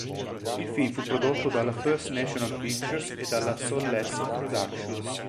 Il film fu prodotto dalla First National Pictures e dalla Sol Lesser Productions.